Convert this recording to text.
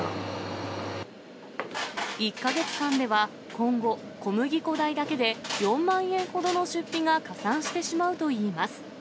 １か月間では今後、小麦粉代だけで、４万円ほどの出費が加算してしまうといいます。